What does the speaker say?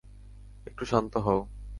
একটু শান্ত হও।